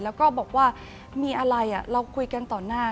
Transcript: แล้วก็บอกว่ามีอะไรเราคุยกันต่อหน้า